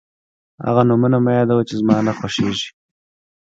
هغه نومونه مه یادوه چې زما نه خوښېږي.